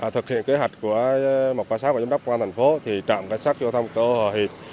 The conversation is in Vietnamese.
thực hiện kế hoạch của mộc ba mươi sáu và giám đốc quan thành phố thì trạm cảnh sát giao thông cơ hội hồ hịp